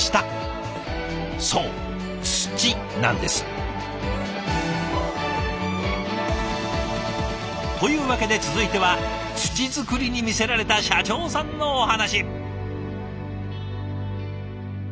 そう土なんです！というわけで続いては土作りに魅せられた社長さんのお話。